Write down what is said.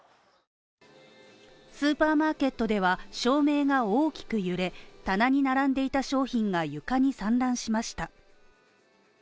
スーパーマーケットでは照明が大きく揺れ、たなに並んでいた商品が床に散乱しました。